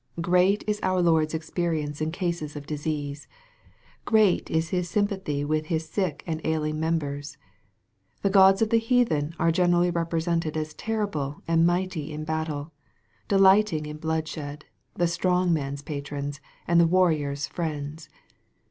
Great is our Lord's experience in cases of disease ! Great is his sympathy with His sick and ailing members ! The gods of the heathen are generally represented as terrible and mighty in battle, delighting in bloodshed, the strong man's patrons, and the warrior's friends.